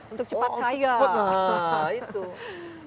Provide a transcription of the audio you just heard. untuk cepat kaya